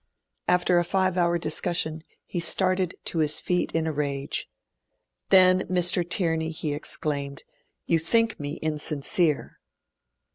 After a five hour discussion, he started to his feet in a rage. 'Then, Mr. Tierney,' he exclaimed, 'you think me insincere.'